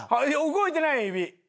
動いてないやん指。